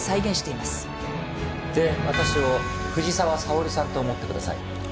で私を藤沢さおりさんと思ってください。